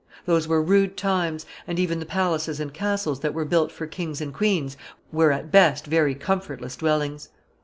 Those were rude times, and even the palaces and castles that were built for kings and queens were at best very comfortless dwellings.